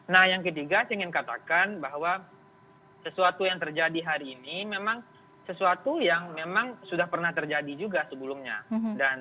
nah yang ketiga saya ingin katakan bahwa sesuatu yang terjadi hari ini memang sesuatu yang memang sudah pernah terjadi juga sebelumnya